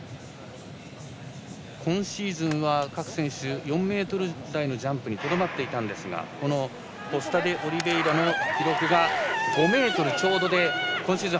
今シーズンは各選手４ｍ台のジャンプにとどまっていたんですがコスタデオリベイラの記録が５ｍちょうどで今シーズン